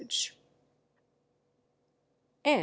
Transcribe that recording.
THE END.